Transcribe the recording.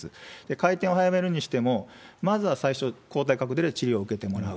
回転を早めるにしても、まずは最初、抗体カクテルで治療を受けてもらう。